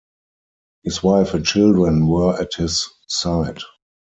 His wife and children were at his side.